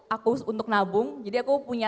aku untuk nabung jadi aku punya